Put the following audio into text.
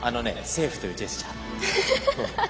セーフというジェスチャー。